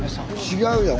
違うやん。